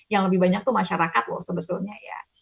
yang lebih banyak tuh masyarakat loh sebetulnya ya